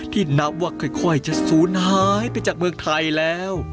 นับว่าค่อยจะศูนย์หายไปจากเมืองไทยแล้ว